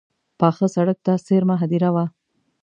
پاخه سړک ته څېرمه هدیره وه.